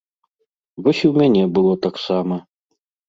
Вось і ў мяне было таксама.